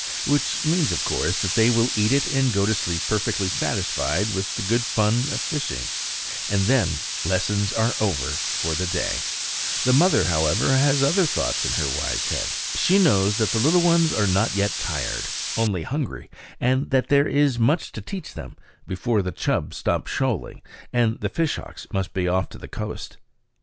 Which means, of course, that they will eat it and go to sleep perfectly satisfied with the good fun of fishing; and then lessons are over for the day. [Illustration: "GRIPPING HIS FISH AND PIP PIPPING HIS EXULTATION"] The mother, however, has other thoughts in her wise head. She knows that the little ones are not yet tired, only hungry; and that there is much to teach them before the chub stop shoaling and fishhawks must be off to the coast.